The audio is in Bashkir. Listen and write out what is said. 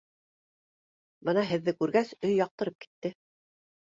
Бына һеҙҙе күргәс, өй яҡтырып китте.